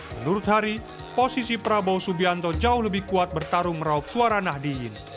menurut hari posisi prabowo subianto jauh lebih kuat bertarung meraup suara nahdiyin